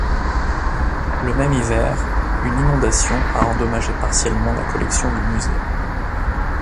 Le même hiver, une inondation a endommagé partiellement la collection du musée.